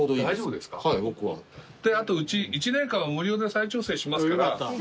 であとうち一年間無料で再調整しますから。